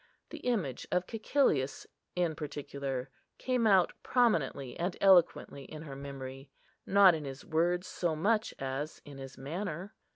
The image of Cæcilius, in particular, came out prominently and eloquently in her memory,—not in his words so much as in his manner.